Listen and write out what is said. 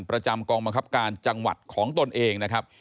ประจำกองบังคับการจังหวัดของตนเองนะครับ